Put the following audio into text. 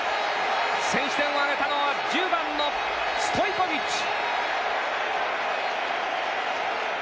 先取点を挙げたのは１０番のストイコビッチ。